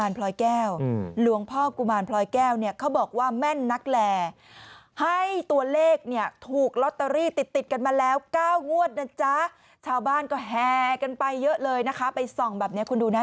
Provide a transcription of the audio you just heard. ต่อเนื่องเลยค่ะคุณผู้ชมของเด็ดภูทร